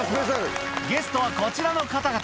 ゲストはこちらの方々。